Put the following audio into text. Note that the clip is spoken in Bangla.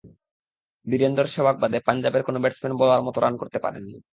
বীরেন্দর শেবাগ বাদে পাঞ্জাবের কোনো ব্যাটসম্যান বলার মতো রান করতে পারেননি।